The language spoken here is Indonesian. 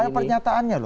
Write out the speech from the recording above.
ada pernyataannya lho mas